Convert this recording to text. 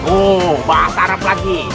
oh bahasa arab lagi